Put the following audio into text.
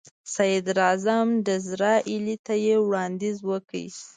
صدراعظم ډیزراییلي ته یې وړاندیز وکړ.